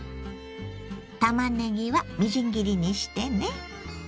たまねぎはみじん切りにしてね。